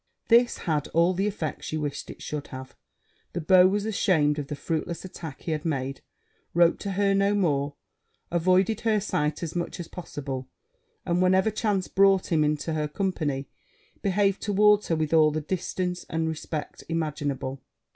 This had all the effect she wished it should have the beau was ashamed of the fruitless attack he had made wrote to her no more avoided her sight as much as possible and, whenever chance brought him into her company, behaved towards her with all the distance and respect imaginable.